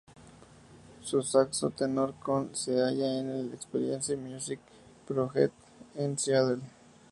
Su saxo tenor Conn se halla en el Experience Music Project en Seattle.